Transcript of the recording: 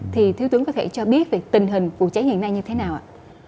thì thiếu tướng có thể cho biết về tình hình vụ cháy hiện nay như thế nào ạ